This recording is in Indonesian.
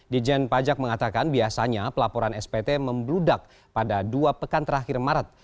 dijen pajak mengatakan biasanya pelaporan spt membludak pada dua pekan terakhir maret